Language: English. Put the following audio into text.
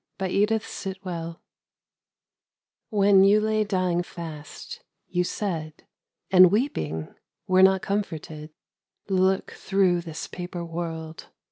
WI I EN you lay dying fast, you said : And, weeping, were not comforted —' Look through this paper world